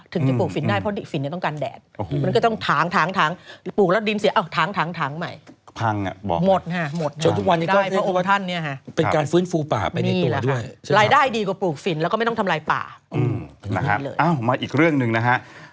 ถึงที่ปลูกฝิ่นได้เพราะว่าฝิ่นต้องการแดด